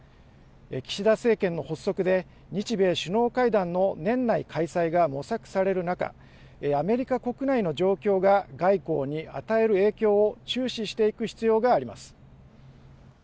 岸田政権の発足で、日米首脳会談の年内開催が模索される中、アメリカ国内の状況が外交に与える影響を注視していく必要があります。